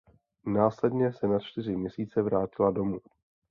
Následně se na čtyři měsíce vrátila domů.